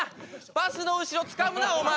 バスの後ろつかむなお前。